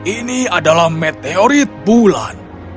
ini adalah meteorit bulan